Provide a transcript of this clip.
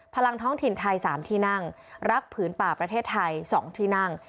พลังท้องถิ่นไทย๓ที่นั่งรักผืนป่าประเทศไทย๒ที่นั่ง